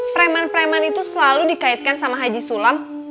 preman preman itu selalu dikaitkan sama haji sulam